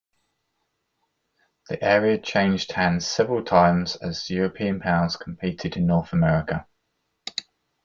The area changed hands several times as European powers competed in North America.